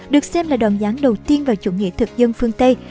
được xem là đòn gián đầu tiên vào chủ nghĩa thực dân phương tây